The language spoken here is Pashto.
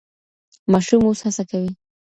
ماشوم اوس هڅه کوي.